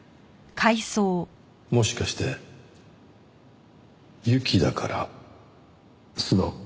もしかして「ユキ」だから「スノウ」？